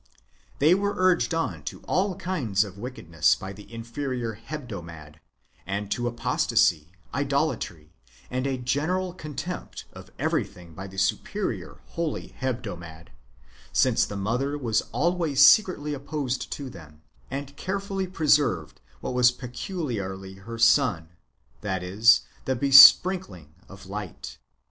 They w^ere urged on to all kinds of wickedness by the inferior Hebdomad, and to apostasy, idolatry, and a general contempt for everything by the superior holy Hebdomad,^ since the mother was always secretly opposed to them, and carefully preserved what w^as peculiarly her own, that is, the besprink ling of light.